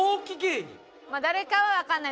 誰かはわかんない。